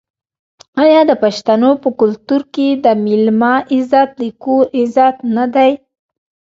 آیا د پښتنو په کلتور کې د میلمه عزت د کور عزت نه دی؟